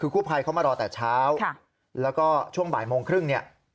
คือกู้ภัยเขามารอแต่เช้าแล้วก็ช่วงบ่ายโมงครึ่งเนี่ย